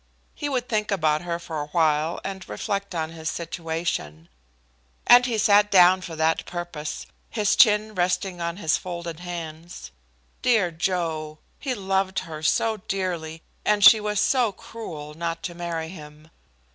He would think about her for a while, and reflect on his situation; and he sat down for that purpose, his chin resting on his folded hands. Dear Joe he loved her so dearly, and she was so cruel not to marry him!